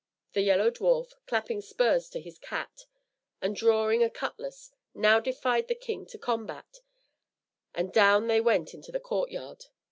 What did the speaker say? The Yellow Dwarf, clapping spurs to his cat, and drawing a cutlass, now defied the king to combat; and down they went into the courtyard.